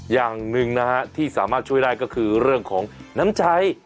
อย่างหนึ่งนะฮะที่สามารถช่วยได้ก็คือเรื่องของน้ำใช้